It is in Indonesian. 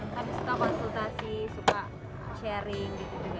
tadi suka konsultasi suka sharing gitu juga